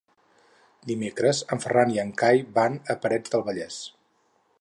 Dimecres en Ferran i en Cai van a Parets del Vallès.